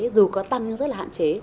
dù có tăng nhưng rất là hạn chế